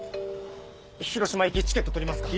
広島行きチケット取りますか？